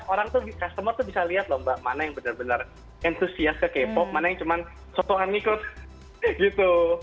orang tuh customer tuh bisa lihat loh mbak mana yang bener bener entusias ke k pop mana yang cuma sotoan ngikut gitu